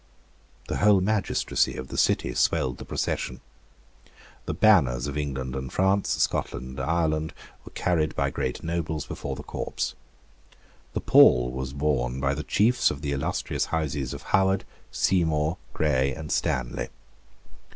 The whole Magistracy of the City swelled the procession. The banners of England and France, Scotland and Ireland, were carried by great nobles before the corpse. The pall was borne by the chiefs of the illustrious houses of Howard, Seymour, Grey, and Stanley.